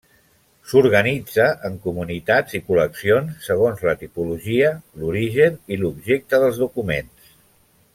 S'organitza en comunitats i col·leccions segons la tipologia, l'origen i l'objecte dels documents.